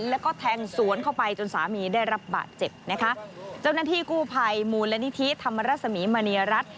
แล้วก็แทงสวนเข้าไปจนสามีได้รับบาดเจ็บนะคะเจ้าหน้าที่กู้ภัยมูลนิธิธรรมรสมีมณีรัฐ